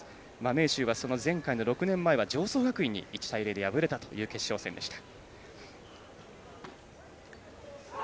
明秀は、前回の６年前は常総学院に１対０で敗れたという決勝の舞台でした。